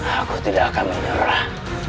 aku tidak akan menyerah